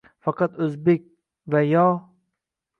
Faqat o’zbek va yo